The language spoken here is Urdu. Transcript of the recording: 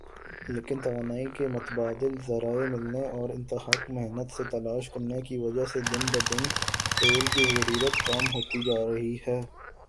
لیکن توانائی کے متبادل ذرائع ملنے اور انتھک محنت سے تلاش کرنے کی وجہ سے دن بدن تیل کی ضرورت کم ہوتی جارہی ھے